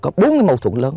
có bốn cái mâu thuẫn lớn